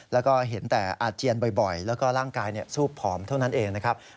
แล้วก็เห็นแต่อาเจียนบ่อยแล้วก็ร่างกายซูบผอมเท่านั้นเองนะครับ